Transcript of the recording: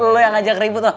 lo yang ngajak ribut lo